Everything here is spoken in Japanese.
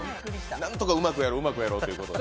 何とかうまくやろう、うまくやろうということで。